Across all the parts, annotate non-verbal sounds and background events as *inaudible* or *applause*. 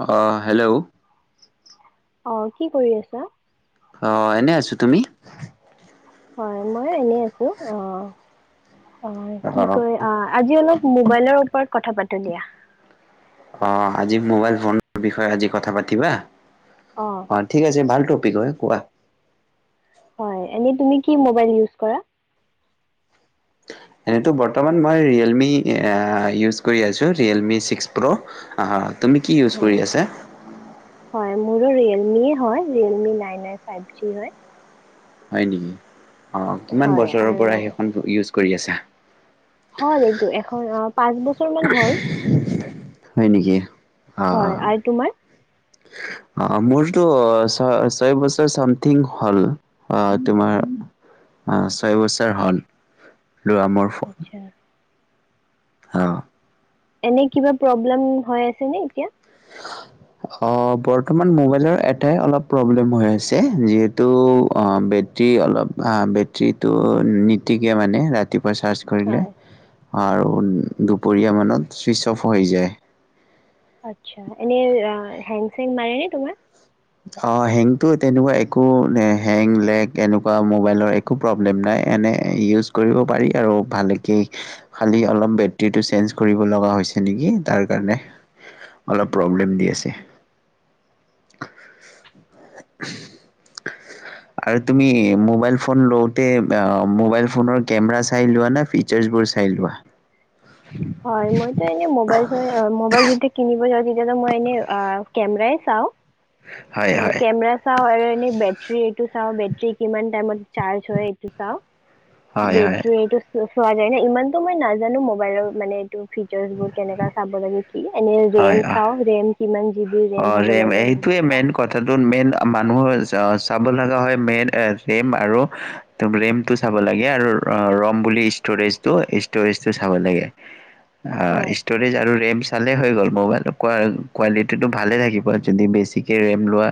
আহ', হেল্ল', অ ', কি কৰি আছা? অ ', এনে আছো তুমি? হয় মই এনেই আছো আহ', অ', কি কয় অ', আজি অলপ মোবাইলৰ ওপৰত কথা পাতু দিয়া। অ', আজি মোবাইল ফনৰ বিষয়ে আজি কথা পাতিবা। অ', ঠিক আছে ভালটো বিষয় কোৱা হয় এনে তুমি কি মোবাইল ইউচ কৰা? এনেটো বৰ্তমান মই ৰিয়েলমি ইউজ কৰি আছো ৰিয়েলমি ছিক্স প্ৰ' আহ ', তুমি কি ইউজ হয় কৰি আছা। হয় মোৰো ৰিয়েলমি হয় Realme nine -nine five G হয়। হয় নেকি? অ', কিমান হয় বছৰৰ পৰা সেইখন ইউজ কৰি আছা। হয় এইটো এখন পাঁচ বছৰ মান হল হয় নেকি? হয় অ', ', আৰু তোমাৰ? অ', মোৰতো ছয় - ছয় বছৰ চামথিং হল তোমাৰ ছয় বছৰ হল। লোৱা মোৰ ফোন। আচ্ছা অ এনে কিবা প্ৰব্লেম হৈ আছে নে এতিয়া। অ বৰ্তমান মোবাইলৰ এটাই অলপ প্ৰব্লেম হৈ আছে যিহেতু অ বেটৰী অলপ বেটৰীটো নিতিকে মানে ৰাতিপুৱা চাৰ্জ কৰিলে। হয় আৰু দুপৰীয়া মানত ছুইচ অফ হৈ যায়। আচ্ছা এনে হেগ চেং মাৰে নে তোমাৰ। অ হেংটো তেনেকুৱা একো হেং লেগ এনেকুৱা মোবাইলৰ একো প্ৰব্লেম নাই এনে ইউজ কৰিব পাৰি আৰু ভালকে খালি অলপ বেটৰীটো চেঞ্জ কৰিব লগা হৈছে নেকি তাৰ কাৰণে অলপ। প্ৰব্লেম দি আচ্ছা আছে। আৰু তুমি মোবাইল ফোন লওঁতে মোবাইল ফোনৰ কেমেৰা চাই লোৱা না ফিচাৰ্চবোৰ চাই লোৱা? *unintelligible* হয় মই তো এনেই মোবাইল যদি কিনিবলে যাওঁ মই এনেই কেমেৰাই চাওঁ। হয় হে হয় কেমেৰা চাও আৰু বেটৰি এইটো চাওঁ বেটৰি কিমান টাইমত চাৰ্জ হয় এইটো চাওঁ। হয় হয় বেটৰি এইটো চোৱা যায় ন ইমানতো মই নাজানো মোবাইলৰ। মানে এইটো ফিচাৰ্চ বোৰ কেনেকা চাব লাগে। এনে ৰেম হয় অ চাওঁ ৰেম কিমান। জি বি অ হ'ব ৰেম লাগে সেইবোৰ সেইটোয়ে চাওঁ মেইন কথাটো মেইন মানুহৰ। চাব লগা হয় মেইন ৰেম আৰু ৰেমটো চাব লাগে আৰু ৰম বুলি ষ্টৰেজটো ষ্টৰেজটো চাব লাগে। অ হয় ষ্টৰেজ আৰু ৰেম চালে হৈ গ'ল। মোবাইলৰ কোৱালিটি। টো ভালে থাকিব যদি বেছিকে ৰেম লোৱা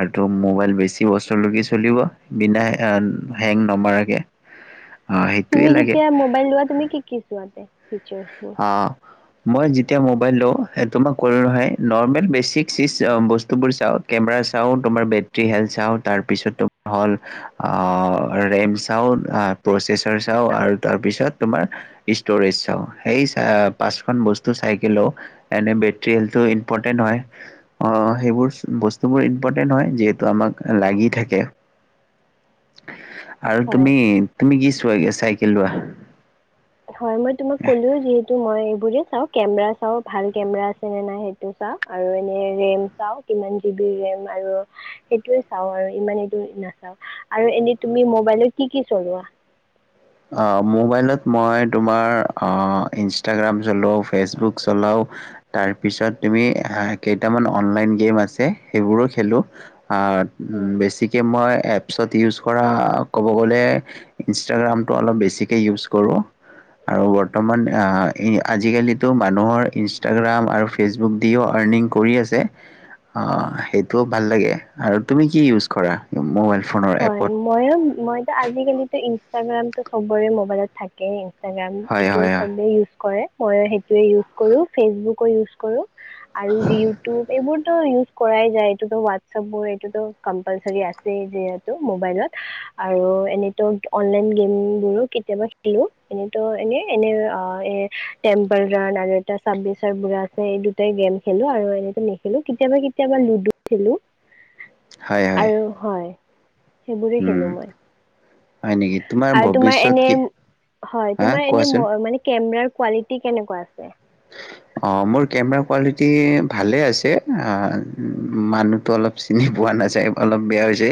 আৰুটো মোবাইল বেছি বচৰলৈকে চলিব বিনা হেং নমাৰাকে। তুমি যেতিয়া মবাইল লোৱা তুমি কি কি চোৱাতে? ফিচাৰছবোৰ। অ মই যেতিয়া মোবাইল লওঁ তোমাক কলোঁ নহয় নৰ্মেল বেচিক চিজ বস্তুবোৰ চাওঁ কেমেৰা চাওঁ তোমাৰ বেটেৰী হেল্থ চাওঁ তাৰপিছত তোমাৰ হ'ল ৰেম চাওঁ প্ৰচেছাৰ চাওঁ আৰু তাৰপিছত তোমাৰ ষ্ট'ৰেজ চাওঁ। সেই চ পাঁচখনন বস্তু চাইক লও এনে বেটেৰি হেল্থটো ইম্পৰ্টেন্ট হয় আহ সেইবোৰ বস্তুবোৰ ইম্পৰ্টেণ্ট হয় যিহেতু আমাক লাগি থাকে। আৰু হয় তুমি তুমি কি চোৱাে চাইকেল লোৱা। হয় বোলে তোমাক কলো যিহেতু এইবোৰ যে চাওঁ কেমেৰা চাওঁ ভাল কেমেৰা আছে নে নাই সেইটো চাওঁ আৰু এনেই ৰেম চাওঁ কিমান জিবি ৰেম আৰু সেইটোৱে চাওঁ মই ইমান এইটো নাচাওঁ আৰু এই তুমি মোবাইলত টো কি কি চলোৱা? মোবাইলত মই তোমাৰ ইনষ্টাগ্ৰাম চলাওঁ ফেচবুক চলাওঁ তাৰপিছত তুমি কেইটামান অনলাইন গেম আছে সেইবোৰো খেলো। বেছিকৈ মই এপ। তাৰপিছত ইউজ কৰা ক'ব গ'লে ইনষ্টাগ্ৰাম। পোৰা অলপ বেছিকে উইজ কৰোঁ আৰু বৰ্তমান আঁ আজি কালি টো মানুহৰ ইনষ্ট্ৰাগ্ৰাম, ফেচবুক, দিও আৰনিং কৰি আছে। অঁ সেইটো ভাল লাগে, আৰু তুমি কি উইজ কৰা মোবালতো? হয় ময়ো মইতো আজিকালিটো ইনট্ৰা ইনষ্টাগ্ৰামতো সবৰে মোবাইলত থাকেই ইনষ্টাগ্ৰাম হয় এইটো হয় চবে ইউজ কৰে। মই সেইটোৱে ইউজ কৰো ফেচবুকো ইউজ কৰো। আৰু ইউটিউব এইবোৰ। ইউজ কৰাই যায় এইটোতো হোৱাটছপ বোৰ এইটোতো কম্পালচাৰী আছেই যে মবাইলত আৰু এনেতো অনলাইন গেম বোৰো কেতিয়াবা খেলো এনে এনে এনে এ টেম্পল ৰান আৰু এটা চাব্বিচ বু আছে এই দুটাই গেম খেলো আৰু এনে নেখেলো কেতিয়াবা কেতিয়াবা লুডু খেলোঁ। হয় হয় আৰু হয় সেইবোৰে খেলো হয় মই হয় নেকি? আৰু তোমাৰ ভৱিষ্যত এনে কি হয় হা তোমাৰ এনে কোৱাচোন? মানে কেমেৰাৰ। কোৱালিটি কেনেকুৱা আছে। অ মোৰ কেমেৰা কোৱালিটি ভালে আছে আহ মানুহতো অলপ চিনি পোৱা নাযায় অলপ বেয়া হৈছে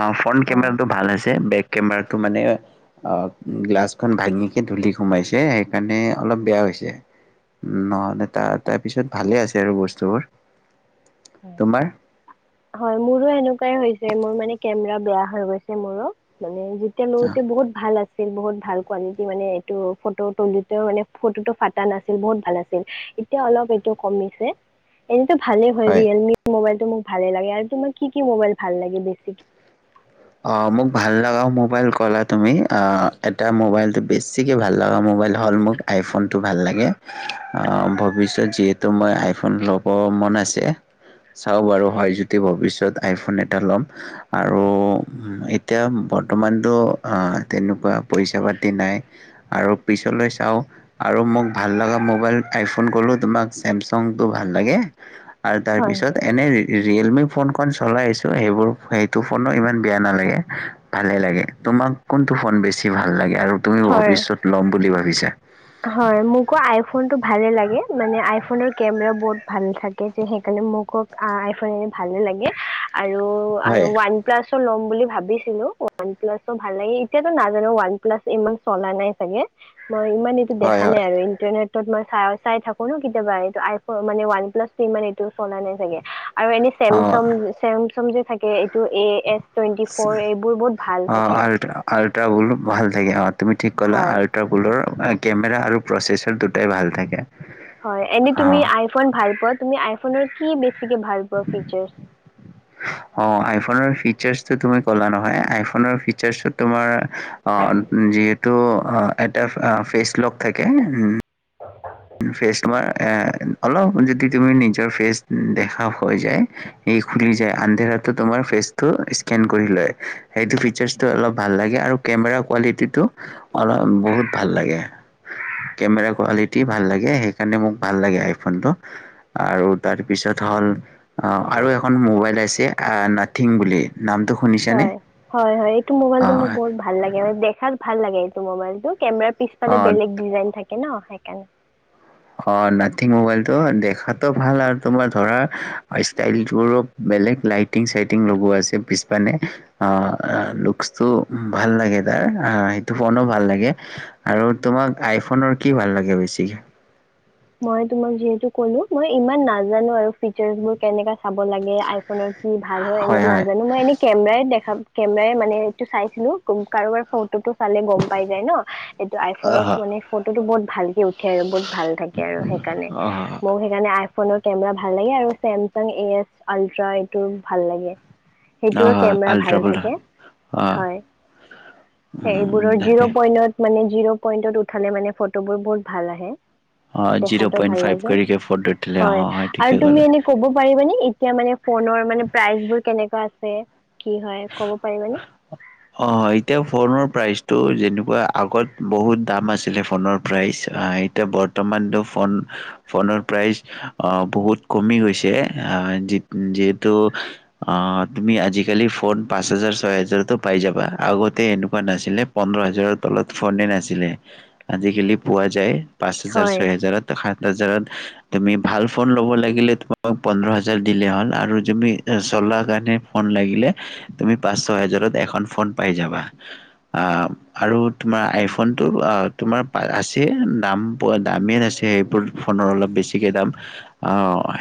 অ ফ্ৰণ্ট হয় কেমেৰাটো ভাল আছে বেক কেমেৰাটো মানে অ গ্লাছখন ভাঙিকে ধূলি সোমাইছে সেইকাৰণে অলপ বেয়া হৈছে। নহ'লে তাৰ তাৰ পিছত ভালে আছে আৰু বস্তুবোৰ। হয় তোমাৰ? হয় মোৰো এনেকুৱাই হৈছে। যে মোৰ মানে কেমেৰা বেয়া হৈ গৈছে মোৰো মানে। এতিয়া অ লগতে বহুত ভাল আছে বহুত ভাল কোৱালিটি মানে এইটো ফটো ফাতা নাছিল বহত ভাল আছিল এতিয়া অলপটো এইটো কমিছে এনেতো কমিছে। হয় ৰিয়েল মি মোবাইল। মোক ভালে লাগে আৰু তোমাৰ কি কি মোবাইল ভাল লাগে বেছিকে। অ মোক ভাল লগা মোবাইল ক'লা তুমি এটা মোবাইলটো বেছিকৈ ভাল লগা মোবাইল হ'ল মোক আইফোনটো ভাল লাগে ভৱিষ্যত যিহেতু মই আইফোন ল'ব মন আছে চাওঁ বাৰু হয় যদি ভৱিষ্যত আইফোন এটা ল'ম আৰু। এতিয়া বৰ্তমানতটো তেনেকুৱা পইচা পাতি নাই আৰু পিছলৈ চাওঁ আৰু মোক ভাল লগা মোবাইল আইফোন কলো তোমাক চেমচংটো ভাল লাগে। আৰু তাৰ হয় পিছত এনে ৰিয়েলমি ফোনখন। চলাই আছো সেইবোৰ সেইটো ফোনো ইমান বেয়া নালাগে ভালে লাগে তোমাক কোনটো ফোন বেছি ভাল লাগে? আৰু তুমি হয় ভৱিষ্যত ল'ম বুলি ভাবিছা। হয় মোকো আই ফোনটো ভালে লাগে। মানে আই ফোনত কেমেৰা বহুত ভাল থাকে। যে সেই কাৰণে মোকো আই ফোন ভালে লাগে। আৰু আৰু হয়, ওৱান প্লাছো ল'ম বুলি ভাবি ছিলোঁ ওৱান পালাচটো ভালে লাগে এতিয়াটো নাজানো ওৱান পালাচ ইমান। চলা নাই চাগে মই ইমান- হয়, দেখা নাই হয়। আৰু ইণ্টাৰনেট- ত মই চাই থাকোঁ ন। কেতিয়াবা আই ফনটো মে ওৱান প্লাছ মান এইটো চলা নাই চাগে। আৰু এনে চেমচং অ', চেমচং যে- থাকে এ এছ টুৱেণ্টি ফ'ৰ এইবোৰ বহুত ভাল অ থাকে আল আলট্ৰ বলো ভাল থাকে অ তুমি ঠিকলা হয় আল্ট্ৰাপুলৰ কেমেৰা আৰু প্ৰচেছৰ দুটাই ভাল থাকে। হয় এনে অ তুমি আইফোন ভাল পোৱা তুমি আই ফোনৰ কি বেছি চাগে ভাল পোৱা ফিচাৰ অ আইফনৰ ফিচাৰ তুমি ক'লা নহয় আইফনৰ ফিচাৰ তোমাৰ যিহেতু এটা ফেচ লক থাকে। *inaudible* ফেচ তোমাৰ এ অলপ যদি তুমি নিজৰ ফেচ দেখা হৈ যায়। সি খুলি যায় আন্ধৰাতো তোমাৰ ফেচটো স্কেন কৰি লয়। সেইটো ফিচাৰ্চটো অলপ ভাল লাগে। আৰু কেমেৰা কোৱালিটিটো অলপ বহুত ভাল লাগে কেমেৰা কোৱালিটি। অতি ভাল লাগে সেইকাৰণে মোক ভাল লাগে আইফোন টো আৰু তাৰপিছত হ'ল অ আৰু এখন মোবাইল আছে নাথিং বুলি। নামটো শুনিছানে? হয় হয় হয় এইটো মোবাইলটো অ' মোক বহুত ভাল লাগে মান দেখাত ভাল লাগে এইটো মোবাইলতটো কেমেৰা পিছপিনে অ' বেলেগ ডিজাইন থাকে। থাকে ন সেইকাৰণে। অ নাথিং মবাইলটো দেখাতো ভাল আৰু তোমাৰ ধৰা ইচতাইলটো বেলে লাইটিং চাইটিং লগোৱা আছে। পিছপিনে অ লুকচটো ভাল লাগে। তাৰ সেইটো ফোন ভাল লাগে আৰু তোমাক আইফনৰ কি ভাল লাগে বেছিকে? মই তোমাক যিয়েটো কলোঁ। মই ইমান নাজানো আৰু ফিউচেচ বোৰ কেনেকা চাব লাগে আইফোনৰ কি ভাল হয়। এনেই নাজানোঁ মই এনে কেমেৰাই দেখা কেমেৰাই মানে এইটো চাইছিলোঁ কাৰোবাৰ ফ ফটোটো চালে গম পাই যায় ন। এইটো অ' আইফোনৰ ফটো বহুত। ভালকে উঠ উঠে আৰু বহুত ভাল থাকে। সেইকাৰণে অ' মোৰ সেইকাৰণে। আইফোনৰ কেমেৰা ভাল লাগে আৰু চেমচাং এ এছ আল্ট্ৰা এইটোৰ ভাল লাগে। সেইটোৰ অ' কেমেৰা আল্ট্ৰা ভাল বুল থাকে অ' হয়। সেয়বোৰৰ জিৰ' তাকে পইনত মানে। জিৰ' পইণ্টত উঠালে মানে ফটোবোৰ বহুত ভাল আহে জিৰ' দেখাটো পইণ্ট ভাল ফাইভ লাগে কৰিকে ফ'ৰ ধৰিছিলে অ হয় ঠিকে আৰু তুমি ক'লে। এনে কব পাৰিবানে এতিয়া মানে ফোনৰ মানে প্ৰাইচবোৰ কেনেকুৱা আছে? কি হয় কব পাৰিবানে? অঁ এতিয়া ফোনৰ প্ৰাইচটো যেনেকুৱা আগত বহুত দাম আছিলে ফোনৰ প্ৰাইচ এতিয়া বৰ্তমানটো ফোন ফোনৰ প্ৰাইচ অ বহুত কমি গৈছে আ যি-যিহেতু তুমি আজিকালি ফোন পাঁচ হাজাৰ ছয় হাজাৰতো পাই যাবা আগতে এনেকুৱা নাছিলে পোন্ধৰ হাজাৰৰ তলত ফোনে নাছিলে আজিকালি পোৱা যায় পাঁচ হাজাৰ হয়। ছয় হাজাৰত সাত জাৰত তুমি ভাল ফোন ল'ব লাগিলে তোমাক পোন্ধৰ হাজাৰ দিলে হ'ল আৰু তুমি চলা কাৰণে ফোন লাগিলে তুমি পাঁচ ছ হাজাৰত এখন ফোন পাই যাবা আহ আৰু তোমাৰ আইফোনটো তোমাৰ আছে দাম দামেই আছে সেইবোৰ ফোনৰ অলপ বেছিকে দাম অ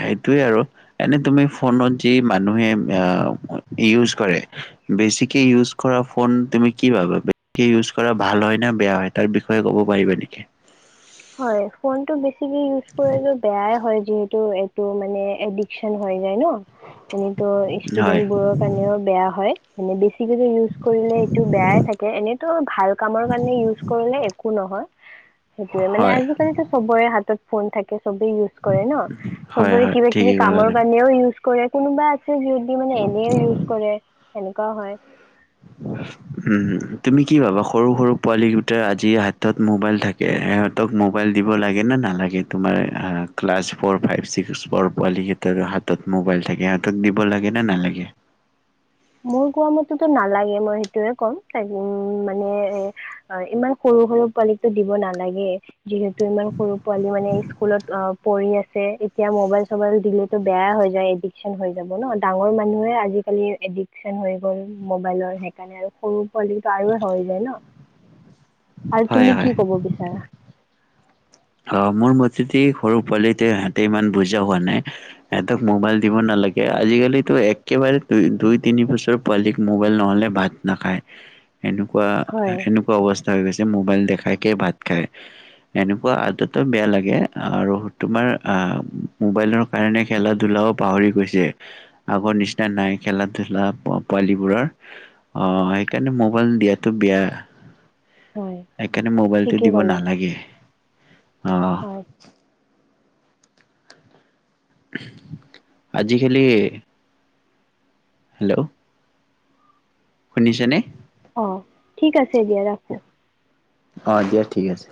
সেইটোৱে আৰু এনে তুমি ফোনত যি মানুহে ইউজ কৰে বেচিক কি ইউজ কৰা ফোন তুমি কি ভাবা ইউজ কৰা ভাল হয় ন বেয়া হয় তাৰ বিষয়ে ক'ব পাৰিবা নেকি? হয় ফোনটো বে ইউজ কৰিলে বেয়াই হয় যিহেতু এইটো মানে এডিকচন হয় যায় ন এনেত হয়, ষ্টুডেন্ট বোৰৰ কাৰণেও বেয়া হয়। *unintelligible* *unintelligible* ইউজ কৰিলে এইটো বেয়াই থাকে এনেতো ভাল কামৰ কাৰণে ইউজ কৰিলে একো নহয়। টোৱে মানে হয়, আজিকালিতো চবৰে হাতত ফোন থাকে। চবে ইউজ কৰে ন হয়, চবৰে হয়, কিবা কিবি ঠিকেই ক'লা কামৰ তুমি। কাৰানও ইউজ কৰে কোনোবা যদি মানে এনে ইউজ কৰে সেনেকুৱাও হয়। তুমি কি ভাবা সৰু সৰু পোৱালি দুটা আজি হাতত মবাইল থাকে, ইহঁতক মোবাইল দিব লাগে নে নালাগে তোমাৰ ক্লাছ ফৰ ফাইভ ছিক্সৰ পোৱালিকেইটাৰ হাতত মোবাইল থাকে, হাতত দিব লগে নে নালাগে? মোৰ কোৱা মতেতো নালাগে মই সেইটোয়ে ক'ম ত উম মানে এ ইমান সৰু সৰু পোৱালিক দিব নালাগে। যিহেতু ইমান সৰু পোৱালি মানে স্কুলত অ পৰি আছে এতিয়া মবাইল চবাইল দিলেতো বেয়া হৈ যায় এডিকচন হৈ যাব ন ডাঙৰ মানুহে আজিকালি এডিক্ত চন হৈ গ'ল মোবাইলৰ সেইকাৰণে আৰু সৰু পোৱালিটো আৰু হৈ যায় ন? আৰু হয়, তুমি হয়, কি কব বিচাৰা? অ মোৰ মতেদি সৰু পোৱালিটো ইহঁতে ইমান বুজা হোৱা নাই সিহঁতক মোবাইল দিব নালাগে আজিকালিতো একেবাৰে দুই দুই তিনি বছৰ পোৱালী মোবাইল নহলে ভাত নাখায়। এনেকুৱা হয় এনেকুৱা অৱস্থা হৈ গৈছে। যে মোবাইল দেখায় কে ভাত খায় এনে আদত বেয়া লাগে আৰু তোমাৰ আহ মোবাইলৰ কাৰণে খেলা ধুলাও পাহৰি গৈছে আগৰ নিচিনা নাই খেলা ধুলা পোৱালীবোৰৰ অহ সেইকাৰণে মোবাইল দিয়টো বেয়া। হয় সেইকাৰণে মোবাইলটো ঠিকেই দিব ক'লা নালাগে। অহ। হয় আজি খালি হেল্ল' শুনিছেনে? অ' ঠিক আছে দিয়া। ৰাখো। অ' দিয়া ঠিক আছে।